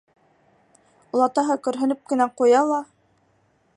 Олатаһы көрһөнөп кенә ҡуя ла: